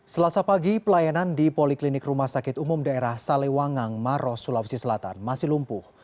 selasa pagi pelayanan di poliklinik rumah sakit umum daerah salewangang maros sulawesi selatan masih lumpuh